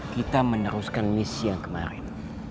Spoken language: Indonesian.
kita meneruskan misi yang kemarin